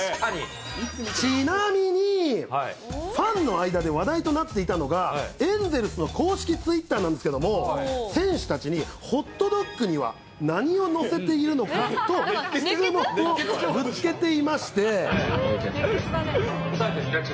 ちなみに、ファンの間で話題となっていたのが、エンゼルスの公式ツイッターなんですけれども、選手たちに、ホットドッグには何を載せているのか？と質問をぶつけていまして。